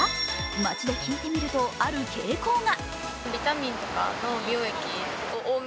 街で聞いてみると、ある傾向が。